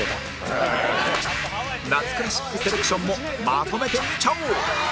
夏クラシックセレクションもまとめて見ちゃおう